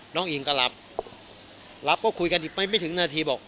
น้องอินก็รับรับก็คุยกันอีกไม่ถึงนาที